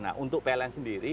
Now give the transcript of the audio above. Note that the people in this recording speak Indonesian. nah untuk pln sendiri